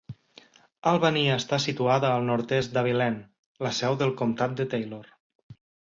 Albany està situada al nord-est d'Abilene, la seu del comtat de Taylor.